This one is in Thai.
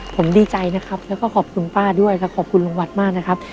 ผมดีใจนะครับแล้วก็ขอบคุณป้าด้วยครับขอบคุณลุงวัดมากนะครับ